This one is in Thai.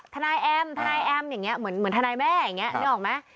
ทนายแอมทนายแอมอย่างนี้เหมือนทนายแม่อย่างนี้นึกออกไหม